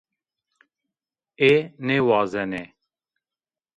Ê nêwazenê.